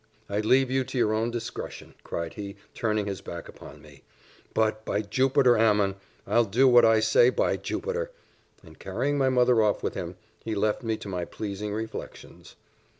I leave you to your own discretion," cried he, turning his back upon me; "but, by Jupiter Ammon, I'll do what I say, by Jupiter!" And carrying my mother off with him, he left me to my pleasing reflections.